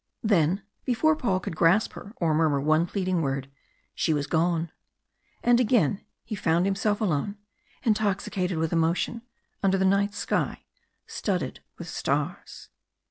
Then, before Paul could grasp her, or murmur one pleading word, she was gone. And again he found himself alone, intoxicated with emotion under the night sky studded with stars.